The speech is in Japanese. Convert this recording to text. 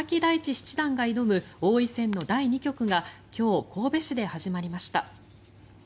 七段が挑む王位戦の第２局が今日、神戸市で始まりました。